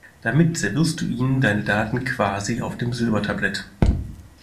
Damit servierst du ihnen deine Daten quasi auf dem Silbertablett.